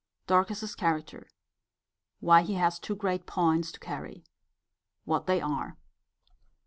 Dorcas's character. He has two great points to carry. What they are.